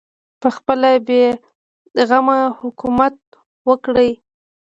پخپله بې غمه حکومت وکړي